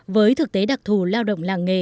với thực tế đặc thù lao động làng nghề